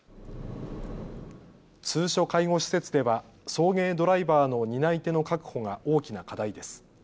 通所介護施設では送迎ドライバーの担い手の確保が大きな課題です。